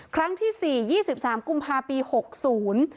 ครั้งที่สี่ยี่สิบสามกุมภาปีหกศูนย์